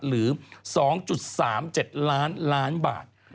หรือ๒๓๗ล้านล้านบาท